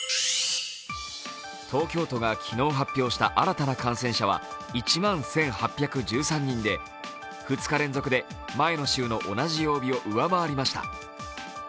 東京都が昨日発表した新たな感染者は、１万１８１３人で２日連続で前の週の同じ曜日を上回りました。